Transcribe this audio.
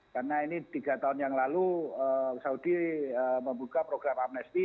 karena ini tiga tahun yang lalu saudi membuka program amnesti